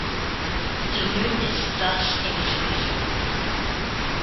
The moon is thus in free fall.